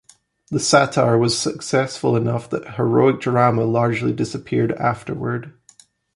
The satire was successful enough that heroic drama largely disappeared afterward.